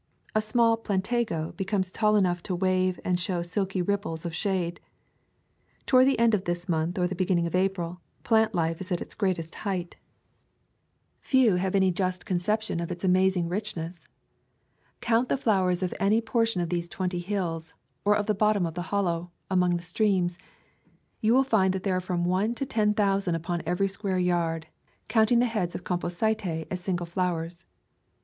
A small plantago becomes tall enough to wave and show silky ripples of shade. Toward the end of this month or the beginning of April, plant life is at its greatest height. Few have any just con [ 207 ] A Thousand Mile W alk ception of its amazing richness. Count the flowers of any portion of these twenty hills, or of the bottom of the Hollow, among the streams: you will find that there are from one to ten thousand upon every square yard, counting the heads of Composite as single flowers.